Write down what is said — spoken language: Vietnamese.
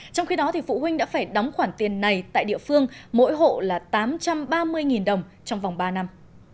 trong khi đó phụ huynh đã phải đóng khoản tiền này tại địa phương mỗi hộ là tám trăm ba mươi đồng trong vòng ba năm